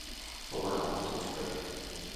His grandfather is Roy Welch.